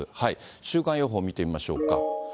週間予報見てみましょうか。